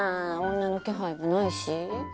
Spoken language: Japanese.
女の気配もないし。